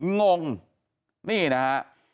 งงนี่นะฮะ